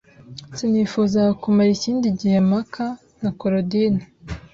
Sinifuzaga kumara ikindi gihe mpaka na Korodina.